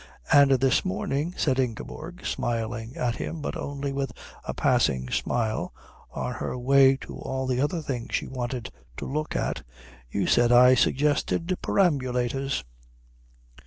"And this morning," said Ingeborg, smiling at him, but only with a passing smile on her way to all the other things she wanted to look at, "you said I suggested perambulators."